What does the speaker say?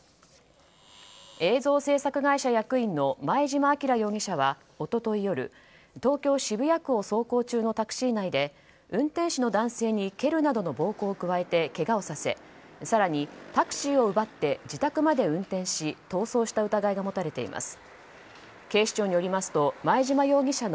映像制作会社役員の前嶋輝容疑者は一昨日夜東京・渋谷区を走行中のタクシー内で運転手の男性に蹴るなどの暴行を加えてけがをさせ更にタクシーを奪って自宅まで運転し逃走した疑いが持たれています。